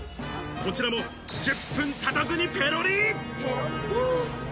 こちらも１０分たたずにペロリ。